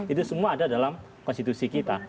itu semua ada dalam konstitusi kita